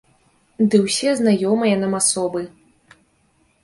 Ды ўсе знаёмыя нам асобы.